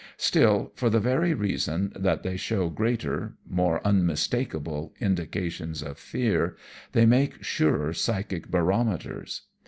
Still, for the very reason that they show greater more unmistakable indications of fear, they make surer psychic barometers.